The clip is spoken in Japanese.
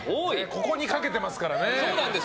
ここにかけていますからね。